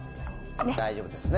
大丈夫ですね